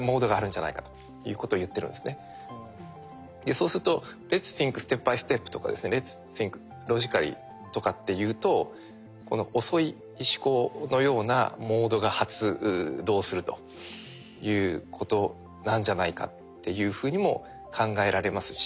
そうすると「Ｌｅｔ’ｓｔｈｉｎｋｓｔｅｐｂｙｓｔｅｐ」とかですね「Ｌｅｔ’ｓｔｈｉｎｋｌｏｇｉｃａｌｌｙ」とかっていうとこの遅い思考のようなモードが発動するということなんじゃないかっていうふうにも考えられますし。